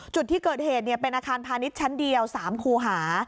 จุดที่เกิดเหตุเป็นอาคารพาณิชย์ชั้นเดียว๓คูหา